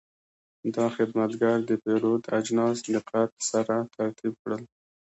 دا خدمتګر د پیرود اجناس دقت سره ترتیب کړل.